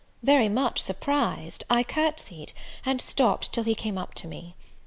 Very much surprised, I courtsied, and stopped till he came up to me.